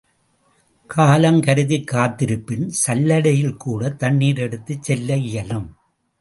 காலம் கருதிக் காத்திருப்பின் சல்லடையில்கூடத் தண்னணீர் எடுத்துச்செல்ல இயலும்.